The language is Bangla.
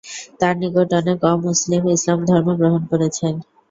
তার নিকট অনেক অমুসলিম ইসলাম ধর্ম গ্রহণ করেছেন।